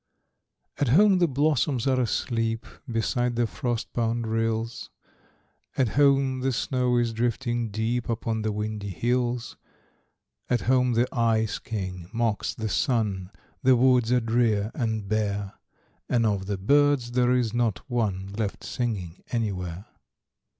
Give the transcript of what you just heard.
At home the blossoms are asleep Beside the frost bound rills; At home the snow is drifting deep Upon the windy hills; At home the ice king mocks the sun, The woods are drear and bare, And of the birds there is not one Left singing anywhere.